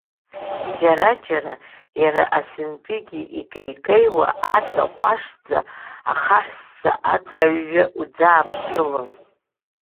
Џьара-џьара, иара, асынтәигьы, икеикеиуа, аҵа ҟәашӡа ахаҳәсса аҵаҩҩы уӡааԥшылон.